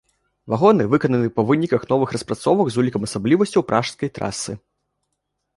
Вагоны выкананы па выніках новых распрацовак з улікам асаблівасцяў пражскай трасы.